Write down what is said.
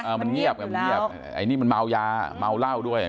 มันเงียบไงมันเงียบไอ้นี่มันเมายาเมาเหล้าด้วย